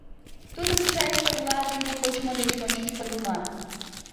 Тудым чай совла дене кочмо деч ончыч подылман.